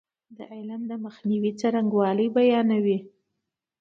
دا علم د مخنیوي څرنګوالی بیانوي.